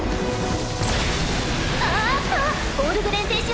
あっとオルグレン選手